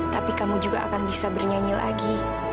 tapi kamu juga akan bisa bernyanyi lagi